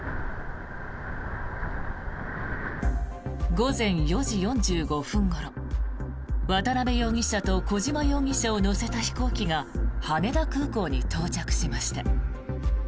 午前４時４５分ごろ渡邉容疑者と小島容疑者を乗せた飛行機が羽田空港に到着しました。